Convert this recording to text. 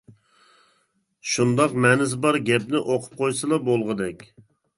شۇنداق مەنىسى بار گەپنى ئوقۇپ قويسىلا بولغۇدەك.